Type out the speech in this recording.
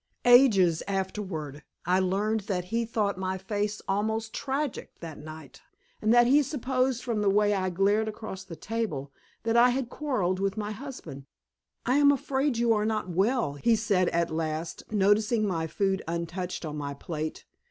Ages afterward I learned that he thought my face almost tragic that night, and that he supposed from the way I glared across the table, that I had quarreled with my husband! "I am afraid you are not well," he said at last, noticing my food untouched on my plate.